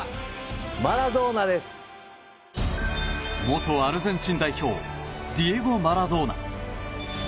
元アルゼンチン代表ディエゴ・マラドーナ。